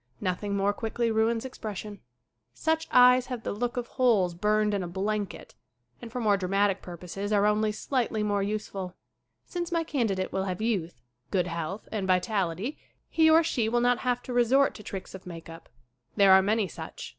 Nothing more quickly ruins expression. Such eyes have the look of holes burned in a blanket and for dramatic purposes are only slightly more useful. Since my candidate will have youth, good health and vitality he or she will not have to resort to tricks of make up. There are many such.